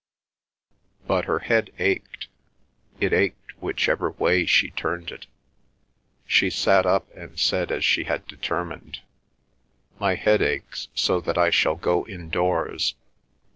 But her head ached; it ached whichever way she turned it. She sat up and said as she had determined, "My head aches so that I shall go indoors."